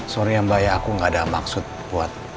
sorry mbak aku gak ada maksud buat